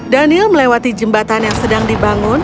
danial melihat jembatan yang sedang dibangun